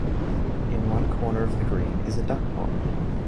In one corner of the green is a duck pond.